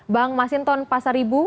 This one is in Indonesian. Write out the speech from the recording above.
bang masinton pasar ibu